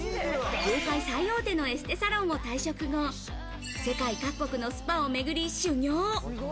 業界最大手のエステサロンを退職後、世界各国のスパをめぐり修行。